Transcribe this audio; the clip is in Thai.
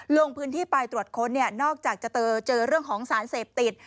ลงพื้นที่ไปตรวจค้นนอกจากจะเจอเรื่องของสารเสพติด